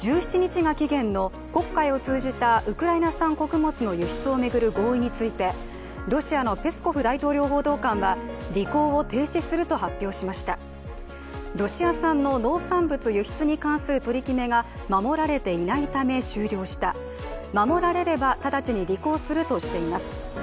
ウクライナ産穀物の輸出を巡る合意についてロシアのペスコフ大統領報道官はロシア産の農産物輸出に関する取り決めが守られていないため終了した守られれば直ちに履行するとしています。